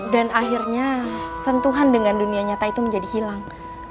dan akhirnya sentuhan dengan dunia nyata itu menjadi hilang